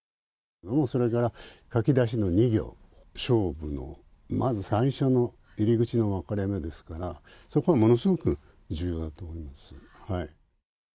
それから書き出しの２行、勝負のまず最初の入り口の分かれ目ですから、そこはものすごく重要だと思うんです。